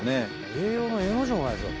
栄養のえの字もないでしょ。